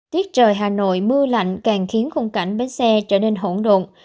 tiết trời hà nội mưa lạnh càng khiến khung cảnh bến xe trở nên hỗn độn